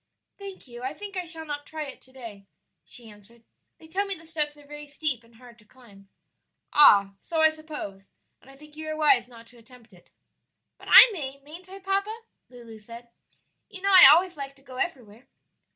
"Thank you, I think I shall not try it to day," she answered; "they tell me the steps are very steep and hard to climb." "Ah, so I suppose, and I think you are wise not to attempt it." "But I may, mayn't I, papa?" Lulu said. "You know I always like to go everywhere."